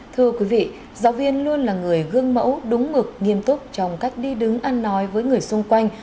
thưa quý vị giáo viên luôn là người gương mẫu đúng mực nghiêm túc trong cách đi đứng ăn nói với người xung quanh